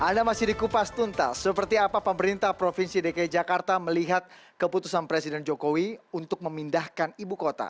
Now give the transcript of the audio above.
anda masih di kupas tuntas seperti apa pemerintah provinsi dki jakarta melihat keputusan presiden jokowi untuk memindahkan ibu kota